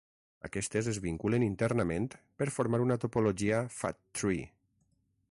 Aquestes es vinculen internament per formar una topologia fat tree.